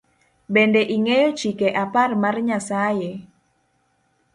Bende ing’eyo chike apar mar Nyasaye?